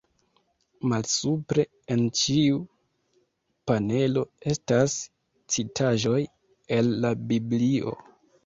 Malsupre en ĉiu panelo, estas citaĵoj el la Biblio.